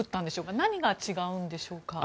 何が違うんでしょうか。